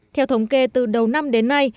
theo thống kê từ đầu năm đến nay